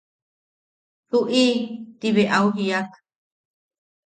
–Tuʼi– ti bea au jiak.